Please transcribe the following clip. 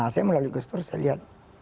saya melalui gestur saya lihat